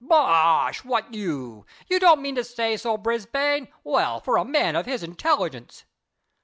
"Bosh! What, you? You don't mean to say so, Brisbane? Well, for a man of his intelligence!"